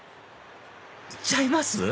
行っちゃいます？